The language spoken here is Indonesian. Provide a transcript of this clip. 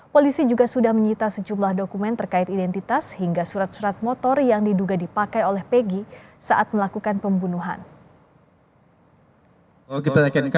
polisi juga sudah menyita sejumlah dokumen terkait identitas hingga surat surat motor yang diduga dipakai oleh pegi saat melakukan pembunuhan